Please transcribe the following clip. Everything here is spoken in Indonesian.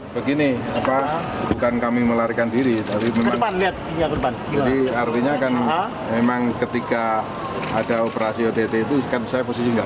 begini bukan kami melarikan diri tapi artinya kan memang ketika ada operasi ott itu kan saya posisi nggak